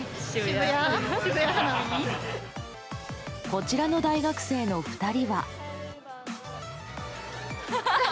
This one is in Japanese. こちらの大学生の２人は。